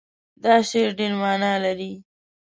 دا شعر ډېر معنا لري.